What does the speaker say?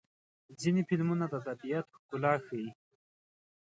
ځینې فلمونه د طبیعت ښکلا ښيي.